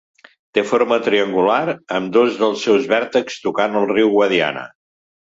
Té forma triangular, amb dos dels seus vèrtexs tocant el riu Guadiana.